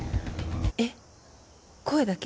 えっ声だけ？